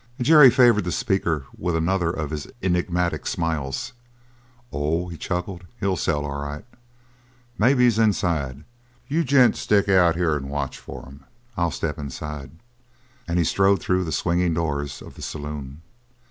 Jerry favoured the speaker with another of his enigmatic smiles: "Oh," he chuckled, "he'll sell, all right! Maybe he's inside. You gents stick out here and watch for him; I'll step inside." And he strode through the swinging doors of the saloon.